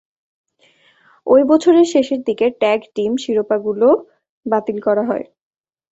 ঐ বছরের শেষের দিকে ট্যাগ টিম শিরোপাগুলো বাতিল করা হয়।